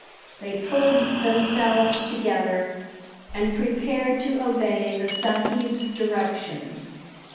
They pulled themselves together and prepared to obey the sahib's directions.